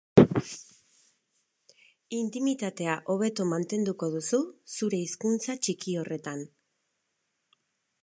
Intimitatea hobeto mantenduko duzu zure hizkuntza txiki horretan.